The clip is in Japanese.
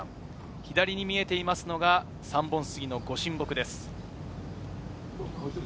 左に見えているのが三本杉の御神木です。